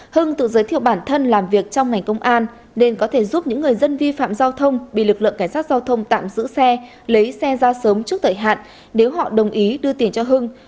hưng tự giới thiệu bản thân làm việc trong ngành công an nên có thể giúp những người dân vi phạm giao thông bị lực lượng cảnh sát giao thông tạm giữ xe lấy xe ra sớm trước thời hạn nếu họ đồng ý đưa tiền cho hưng